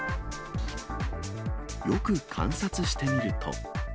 よく観察してみると。